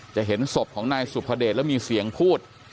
จะเห็นศพของนายสุภเดชแล้วมีเสียงพูด